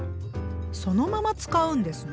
そのまま使うんですね。